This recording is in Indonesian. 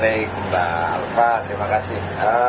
baik mbak alva terima kasih